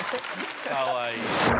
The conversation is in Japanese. かわいい。